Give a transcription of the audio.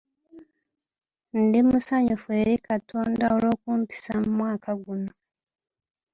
Ndi musanyufu eri Katonda olw'okumpisa mu mwaka guno.